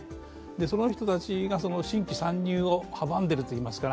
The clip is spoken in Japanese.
その人たちが、新規参入を阻んでるということですから。